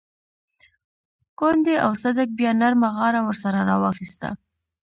کونډې او صدک بيا نرمه غاړه ورسره راواخيسته.